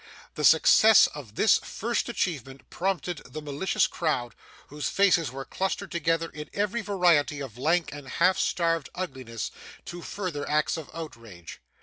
The success of this first achievement prompted the malicious crowd, whose faces were clustered together in every variety of lank and half starved ugliness, to further acts of outrage.